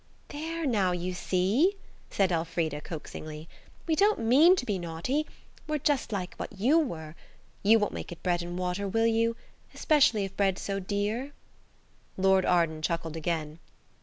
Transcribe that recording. "There now, you see," said Elfrida coaxingly, "we don't mean to be naughty; we're just like what you were. You won't make it bread and water, will you? Especially if bread's so dear." Lord Arden chuckled again.